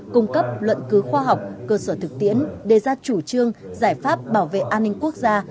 cung cấp luận cứu khoa học cơ sở thực tiễn đề ra chủ trương giải pháp bảo vệ an ninh quốc gia